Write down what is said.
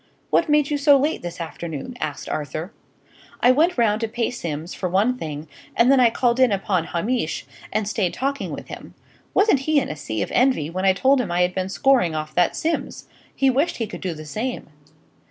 "What made you so late this afternoon?" asked Arthur. "I went round to pay Simms, for one thing; and then I called in upon Hamish, and stayed talking with him. Wasn't he in a sea of envy when I told him I had been scoring off that Simms! He wished he could do the same."